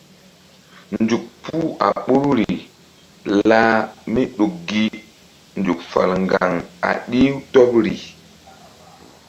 Nzuk puh a ɓoruri lah míɗuk gi nzuk fal ŋgaŋ a ɗih-u tɔbri.